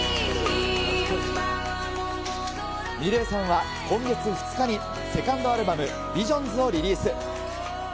ｍｉｌｅｔさんは、今月２日にセカンドアルバム、ビジョンズをリリース。